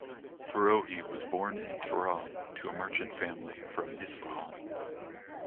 Foroughi was born in Tehran to a merchant family from Isfahan.